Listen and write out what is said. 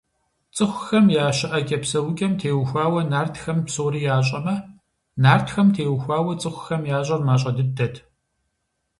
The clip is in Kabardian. ЦӀыхухэм я щыӀэкӀэ–псэукӀэм теухуауэ нартхэм псори ящӀэмэ, нартхэм теухуауэ цӀыхухэм ящӀэр мащӀэ дыдэт.